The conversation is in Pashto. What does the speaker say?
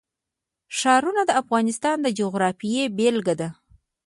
ښارونه د افغانستان د جغرافیې بېلګه ده.